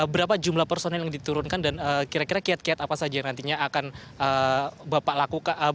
berapa jumlah personil yang diturunkan dan kira kira kiat kiat apa saja yang nantinya akan bapak lakukan